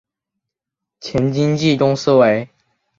前经纪公司为。